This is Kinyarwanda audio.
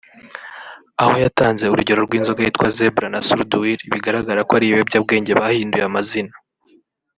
Aha yatanze urugero rw’inzoga yitwa Zebra na Suruduwili bigaragara ko ari ibiyobyabwenge bahinduye amazina